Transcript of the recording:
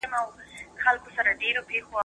ډاکتران متوازن خواړه سپارښتنه کوي.